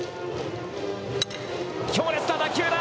強烈な打球だ！